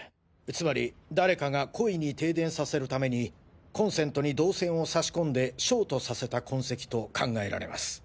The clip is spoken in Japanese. つまり誰かが故意に停電させるためにコンセントに銅線を差し込んでショートさせた痕跡と考えられます。